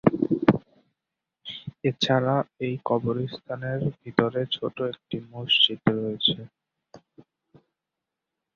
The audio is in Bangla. এছাড়া এই কবরস্থানের ভিতরে ছোট একটি মসজিদ রয়েছে।